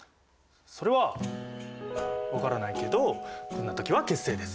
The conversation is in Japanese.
それは分からないけどこんな時は血清です！